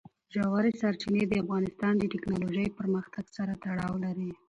ژورې سرچینې د افغانستان د تکنالوژۍ پرمختګ سره تړاو لري.